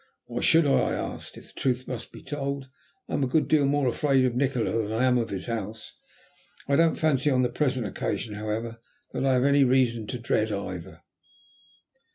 "Why should I?" I asked. "If the truth must be told I am a good deal more afraid of Nikola than I am of his house. I don't fancy on the present occasion, however, I have any reason to dread either."